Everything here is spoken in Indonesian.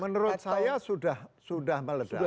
menurut saya sudah meledak